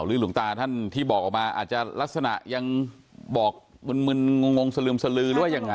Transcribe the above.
หลวงตาท่านที่บอกออกมาอาจจะลักษณะยังบอกมึนงงสลึมสลือหรือว่ายังไง